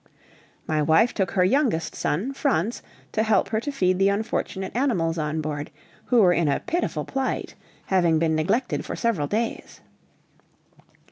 My wife took her youngest son, Franz, to help her to feed the unfortunate animals on board, who were in a pitiful plight, having been neglected for several days.